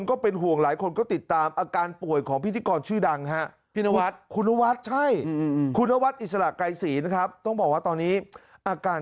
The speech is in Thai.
โอ้โฮดีมากส่วนอีกเรื่องหนึ่งอีกเรื่องหนึ่ง